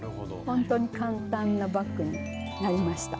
ほんとに簡単なバッグになりました。